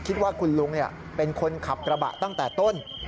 คิดว่าคุณลุงเป็นคนขับกระบะตั้งแต่ต้น